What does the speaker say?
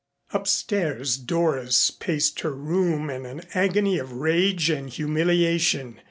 Upstairs Doris paced her room in an agony of rage and humiliation.